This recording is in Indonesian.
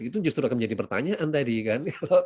itu justru akan menjadi pertanyaan tadi kan